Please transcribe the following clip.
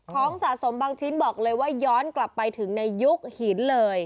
สะสมบางชิ้นบอกเลยว่าย้อนกลับไปถึงในยุคหินเลย